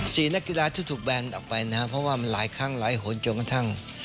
นักกีฬาที่ถูกแบนออกไปนะครับเพราะว่ามันหลายครั้งหลายหนจนกระทั่ง